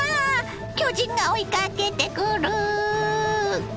巨人が追いかけてくる！